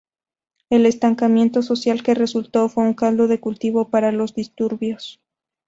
El estancamiento social que resultó fue un caldo de cultivo para los disturbios.